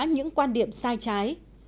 những quan điểm sai trái